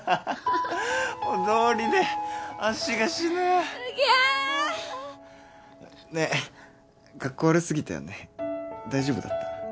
もう道理で足が死ぬうぎゃねえカッコ悪すぎたよね大丈夫だった？